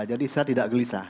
jadi saya tidak gelisah